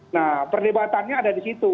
nah perdebatannya ada di situ